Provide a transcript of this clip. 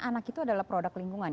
anak itu adalah produk lingkungan